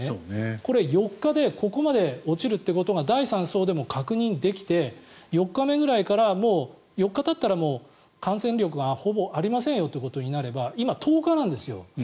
これ、４日でここまで落ちるということが第３相でも確認出来て４日目ぐらいから４日たったら感染力がほぼありませんということになれば今、１０日なんです。